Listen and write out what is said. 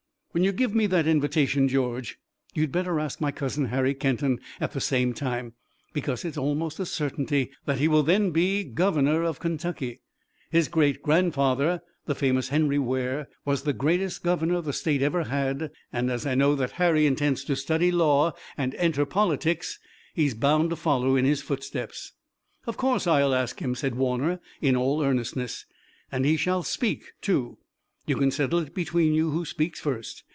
"When you give me that invitation, George, you'd better ask my cousin, Harry Kenton, at the same time, because it's almost a certainty that he will then be governor of Kentucky. His great grandfather, the famous Henry Ware, was the greatest governor the state ever had, and, as I know that Harry intends to study law and enter politics, he's bound to follow in his footsteps." "Of course I'll ask him," said Warner in all earnestness, "and he shall speak too. You can settle it between you who speaks first.